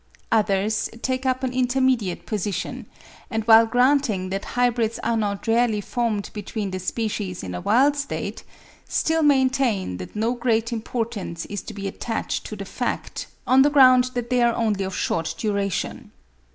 Others take up an intermediate position ; and while granting that hybrids are not rarely formed between the species in a wild state, still maintain that no great importance is to be attached to the fact, on the ground that they are only of short duration.